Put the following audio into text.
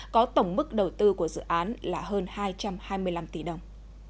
có tổng mức đầu tư của dự án là hơn hai trăm hai mươi năm tỷ đồng